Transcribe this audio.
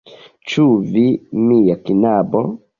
Ĉu vi, mia knabo?